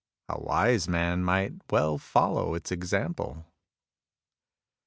A wise man might well follow its example."